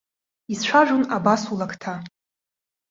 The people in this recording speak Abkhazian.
Ицәажәон абас улакҭа.